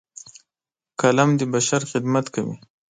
قلم د بشر خدمت کوي